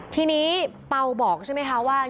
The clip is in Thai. ทีนี้เปล่าบอกใช่ไหมคะว่า